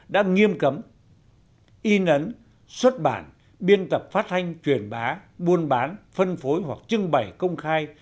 đã nghiêm cấm in ấn xuất bản biên tập phát thanh truyền bá buôn bán phân phối hoặc trưng bày công khai